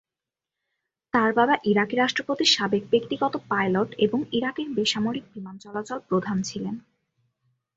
তার বাবা ইরাকি রাষ্ট্রপতির সাবেক ব্যক্তিগত পাইলট এবং ইরাকের বেসামরিক বিমান চলাচল প্রধান ছিলেন।